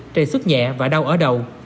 trầy sức nhẹ và đau ở đầu